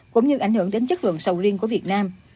cũng như ảnh hưởng đến chất lượng sầu riêng của việt nam